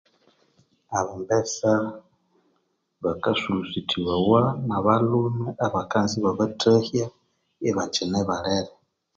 Abambesa bakasurisuthibawa nabalhume abakanza ibabathahya ibakyine balere.